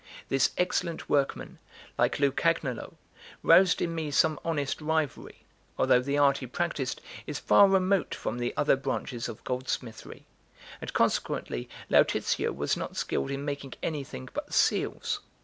This excellent workman, like Lucagnolo, roused in me some honest rivalry, although the art he practised is far remote from the other branches of gold smithery, and consequently Lautizio was not skilled in making anything but seals.